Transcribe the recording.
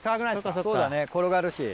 そうだね転がるし。